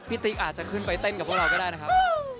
ติ๊กอาจจะขึ้นไปเต้นกับพวกเราก็ได้นะครับ